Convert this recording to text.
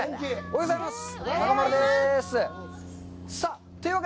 おはようございます！